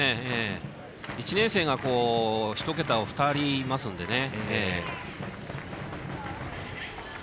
１年生が１桁２人いますんでね。